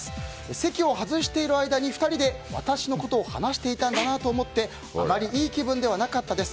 席を外している間に２人で私のことを話していたんだなと思ってあまりいい気分ではなかったです。